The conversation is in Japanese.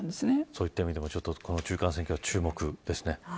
そういった意味でも中間選挙は、注目ですね。